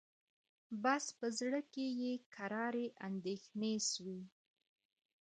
بس په زړه کي یې کراري اندېښنې سوې